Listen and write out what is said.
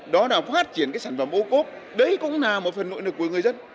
đó là phát triển cái sản phẩm ô cốp đấy cũng là một phần nội lực của người dân